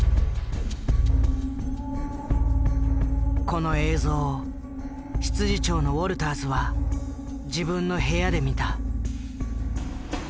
この映像を執事長のウォルターズは自分の部屋で見た。